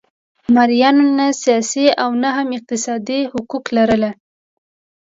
مریانو نه سیاسي او نه هم اقتصادي حقوق لرل.